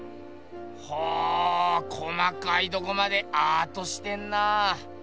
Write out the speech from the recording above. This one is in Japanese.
ほぉ細かいとこまでアートしてんな。